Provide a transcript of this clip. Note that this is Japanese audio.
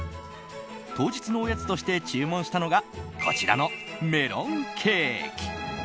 当日のおやつとして注文したのがこちらのメロンケーキ。